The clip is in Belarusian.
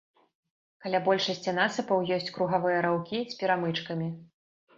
Каля большасці насыпаў ёсць кругавыя раўкі з перамычкамі.